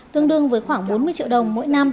tương đương với khoảng bốn mươi triệu đồng mỗi năm